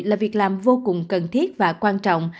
là việc làm vô cùng cần thiết và quan trọng